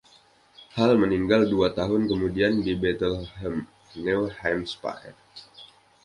Hall meninggal dua tahun kemudian di Bethlehem, New Hampshire.